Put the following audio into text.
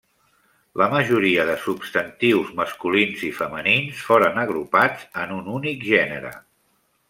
La majoria de substantius masculins i femenins foren agrupats en un únic gènere.